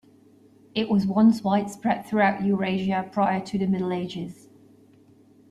It was once widespread throughout Eurasia prior to the Middle Ages.